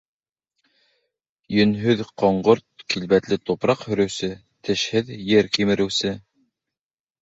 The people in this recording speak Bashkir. Йөнһөҙ, ҡоңғорт килбәтле тупраҡ һөрөүсе, тешһеҙ ер кимереүсе.